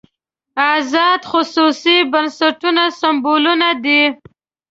ازاد خصوصي بنسټونه سېمبولونه دي.